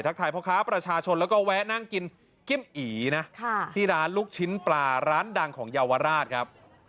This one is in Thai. ถ่ายพ่อค้าประชาชนแล้วก็แวะนั่งกินกิ้มอีนะที่ร้านลูกชิ้นปลาร้านดังของเยาวราชครับ